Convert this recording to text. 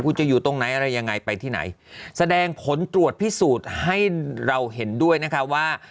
คุณจะอยู่ตรงไหนอะไรยังไงไปที่ไหนแสดงผลตรวจพิสูจน์ให้เราเห็นด้วยนะคะว่า